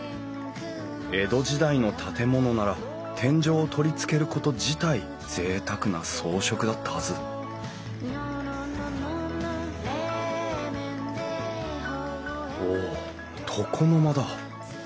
江戸時代の建物なら天井を取り付けること自体ぜいたくな装飾だったはずおっ床の間だ。